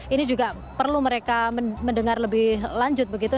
ini juga perlu mereka mendengar lebih lanjut begitu